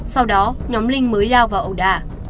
sau đó nhóm linh mới lao vào ẩu đả